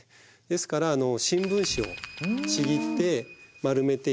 ですから新聞紙をちぎって丸めて。